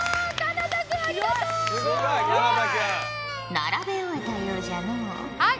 並べ終えたようじゃのう。